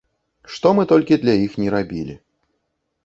Што мы толькі для іх ні рабілі.